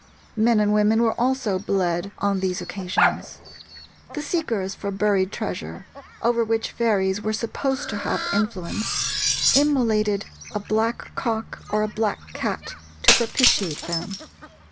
Men and women were also bled on these occasions. The seekers for buried treasure, over which fairies were supposed to have influence, immolated a black cock or a black cat to propitiate them.